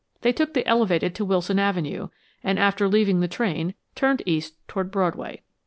They took the elevated to Wilson Avenue, and after leaving the train, turned east toward Broadway.